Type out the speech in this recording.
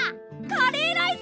カレーライス！